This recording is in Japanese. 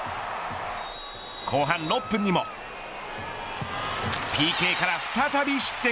後半６分にもＰＫから再び失点。